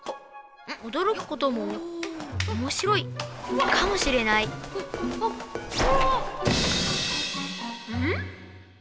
おどろくこともおもしろいかもしれないん？